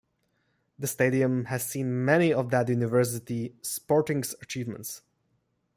The stadium has seen many of that university sporting's achievements.